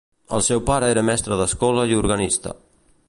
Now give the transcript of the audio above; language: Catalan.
El seu pare era mestre d'escola i organista.